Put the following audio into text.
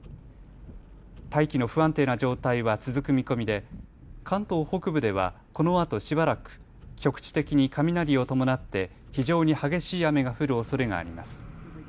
大気の不安定な状態は続く見込みで関東北部ではこのあとしばらく局地的に雷を伴って非常に激しい雨が降るおそれがあります。